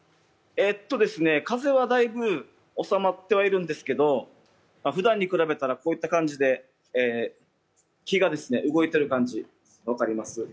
風はだいぶ収まっているんですけども、ふだんに比べたら、こういった感じで木が動いてる感じがあります。